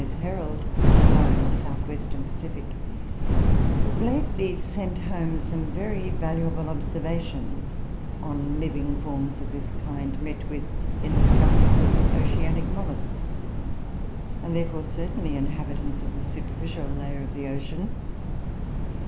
S. Herald, now in the South Western Pacific, has lately sent home some very valuable observations on living forms of this kind, met with in the stomachs of oceanic mollusks, and therefore certainly inhabitants of the superficial layer of the ocean.